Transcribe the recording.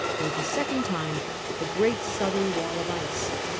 for the second time, the great southern wall of ice.